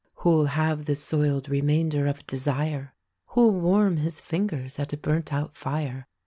Who'll have the soiled remainder of desire? Who'll warm his fingers at a burnt out fire?